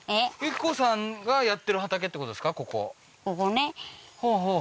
順子さんがやってる畑ってことですか？